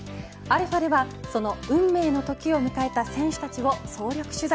αでは、その運命の時を迎えた選手たちを総力取材。